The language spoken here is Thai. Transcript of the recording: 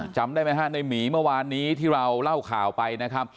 จำได้ไหมฮะในหมีเมื่อวานนี้ที่เราเล่าข่าวไปนะครับ